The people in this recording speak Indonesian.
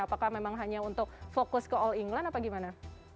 apakah memang hanya untuk fokus ke all england atau gimana